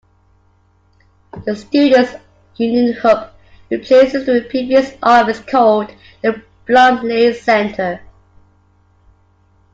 The Students Union Hub replaces the previous office called the Blomley Centre.